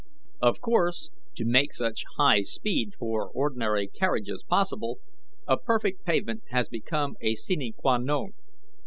"Of course, to make such high speed for ordinary carriages possible, a perfect pavement became a sine qua non.